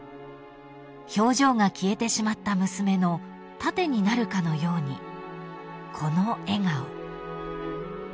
［表情が消えてしまった娘の盾になるかのようにこの笑顔］